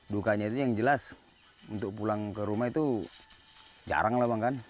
dukanya itu yang jelas untuk pulang ke rumah itu jarang lah bang kan